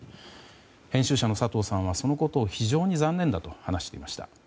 編集者の佐藤さんはそのことを非常に残念だと話していました。